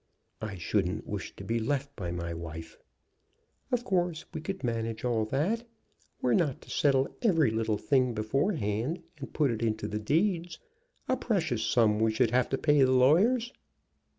"I shouldn't wish to be left by my wife." "Of course we could manage all that. We're not to settle every little thing beforehand, and put it into the deeds. A precious sum we should have to pay the lawyers!"